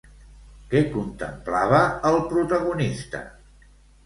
Què contemplava el protagonista?